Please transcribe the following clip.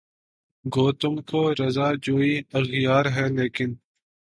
گو تم کو رضا جوئیِ اغیار ہے لیکن